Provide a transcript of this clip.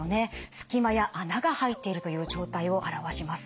隙間や穴が入っているという状態を表します。